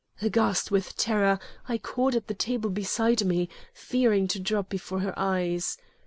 "Aghast with terror, I caught at the table beside me, fearing to drop before her eyes.